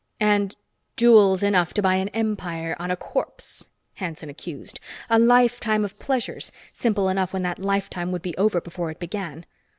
"And jewels enough to buy an empire on a corpse," Hanson accused. "A lifetime of pleasures simple enough when that lifetime would be over before it began.